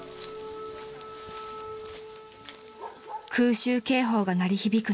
［空襲警報が鳴り響く